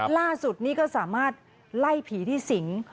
ล่าสุดนี้ก็สามารถไล่ผีที่สิง